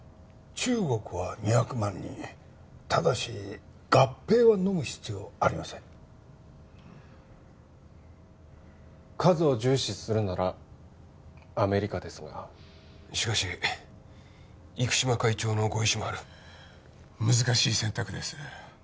中国は２００万人ただし合併をのむ必要ありません数を重視するならアメリカですがしかし生島会長のご意思もある難しい選択です